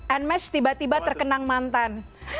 anmesh tiba tiba terkenang mantan